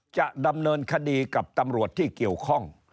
จะดำเนินคดีกับตำรวจที่เกี่ยวข้อง